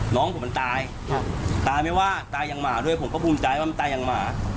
น้องผมมันตายตายไม่ว่าตายังหมาด้วยผมก็ภูมิใจว่ามันตายังหมา